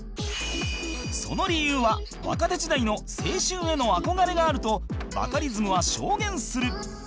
その理由は若手時代の青春への憧れがあるとバカリズムは証言する